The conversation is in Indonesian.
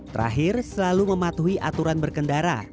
terakhir selalu mematuhi aturan berkendara